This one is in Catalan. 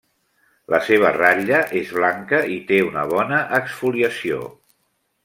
La seva ratlla és blanca i té una bona exfoliació.